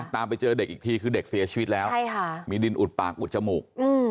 ตามไปเจอเด็กอีกทีคือเด็กเสียชีวิตแล้วมีดินอุดปากอุดจมูก